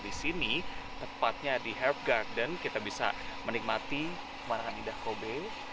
di sini tepatnya di herb garden kita bisa menikmati pemandangan indah kobe